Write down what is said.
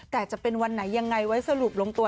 แต่จะเป็นวันไหนยังไงไว้สรุปลงตัว